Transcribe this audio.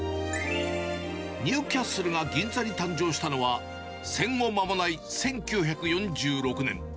ニューキャッスルが銀座に誕生したのは、戦後間もない１９４６年。